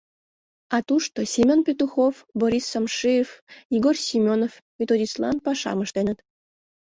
А тушто Семён Петухов, Борис Шамшиев, Егор Семёнов методистлан пашам ыштеныт.